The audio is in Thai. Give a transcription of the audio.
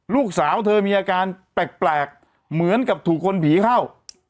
ลูกสาวเธอมีอาการแปลกเหมือนกับถูกคนผีเข้า